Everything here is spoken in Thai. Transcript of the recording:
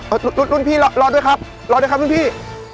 รุ่นรุ่นพี่รอด้วยครับรอด้วยครับรุ่นพี่